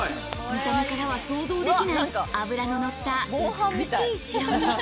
見た目からは想像できない、脂ののった美しい白身。